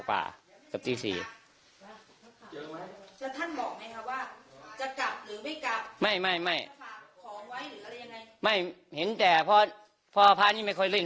ก็ไม่ค่อยสนิทกับเพราะไม่ค่อยคุยกัน